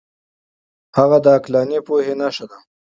هغه د عقلاني پوهې نښه ده.